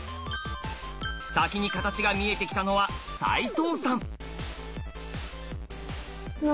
先にカタチが見えてきたのは齋藤さん。